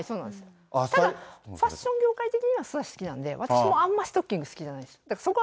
ただファッション業界的には素足好きなんで、私もストッキング好きじゃないんです。